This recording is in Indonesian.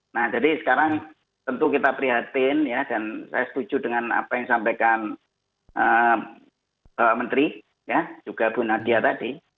nah jadi sekarang tentu kita prihatin ya dan saya setuju dengan apa yang disampaikan pak menteri ya juga bu nadia tadi